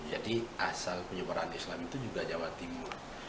jadi asal penyebaran islam itu juga jawa timur